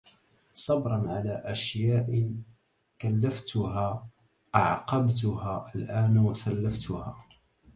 صبرا على أشياء كلفتها أعقبتها الآن وسلفتها